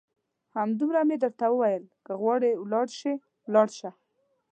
همدومره مې درته وویل، که غواړې چې ولاړ شې ولاړ شه.